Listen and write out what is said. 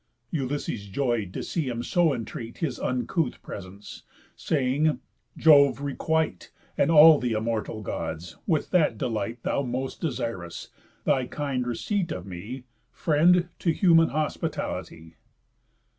Ulysses joy'd to see him so entreat His uncouth presence, saying: "Jove requite, And all th' immortal Gods, with that delight Thou most desir'st, thy kind receipt of me, friend to human hospitality!"